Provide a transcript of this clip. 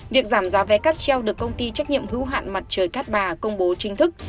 việc giảm giá vé cáp treo được công ty trách nhiệm hữu hạn mặt trời cát bà công bố chính thức